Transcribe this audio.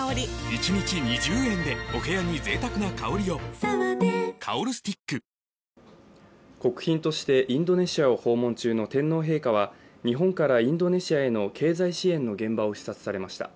うまダブルなんで国賓としてインドネシアを訪問中の天皇陛下は日本からインドネシアへの経済支援の現場を視察されました。